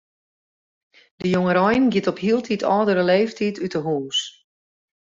De jongerein giet op hieltyd âldere leeftiid út 'e hûs.